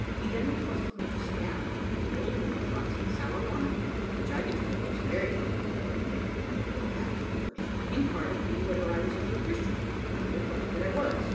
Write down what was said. He then requested me to sit down, and the old woman brought some sour wine, which I declared was very good, although it made me quite ill afterwards. He inquired of me whether I was a good Christian. I replied that I was.